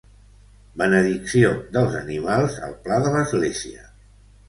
Benedicció dels animals al pla de l'Església.